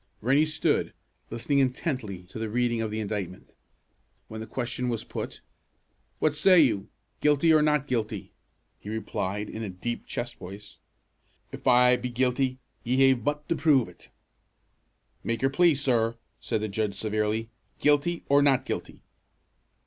Rennie stood, listening intently to the reading of the indictment. When the question was put: "What say you, guilty, or not guilty?" he replied, in a deep, chest voice, "If I be guilty, ye ha' but to prove it." "Make your plea, sir!" said the judge severely. "Guilty, or not guilty?"